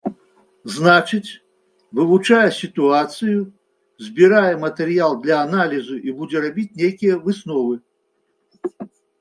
Значыць, вывучае сітуацыю, збірае матэрыял для аналізу і будзе рабіць нейкія высновы.